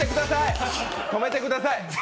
止めてください。